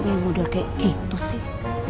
model kayak gitu sih